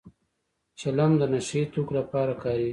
چلم د نشه يي توکو لپاره کارېږي